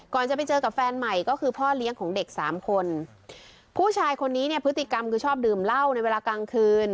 จะไปเจอกับแฟนใหม่ก็คือพ่อเลี้ยงของเด็กสามคนผู้ชายคนนี้เนี่ยพฤติกรรมคือชอบดื่มเหล้าในเวลากลางคืน